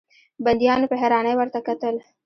بنديانو په حيرانۍ ورته کتل.